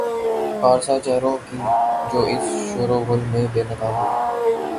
پارسا چہروں کی جو اس شوروغل میں بے نقاب ہوئی۔